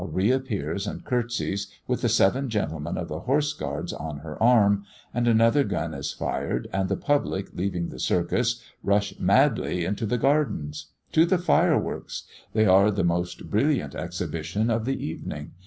re appears and curtsies, with the seven gentlemen of the Horse Guards on her arm; and another gun is fired, and the public, leaving the circus, rush madly into the gardens. To the fireworks! they are the most brilliant exhibition of the evening.